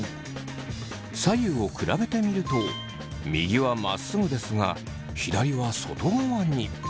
左右を比べてみると右はまっすぐですが左は外側に。